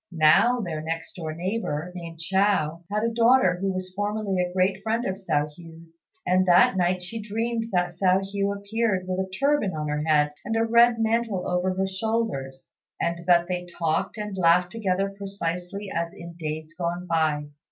Now their next door neighbour, named Chao, had a daughter who was formerly a great friend of Hsiao hui's, and that night she dreamt that Hsiao hui appeared with a turban on her head and a red mantle over her shoulders, and that they talked and laughed together precisely as in days gone by.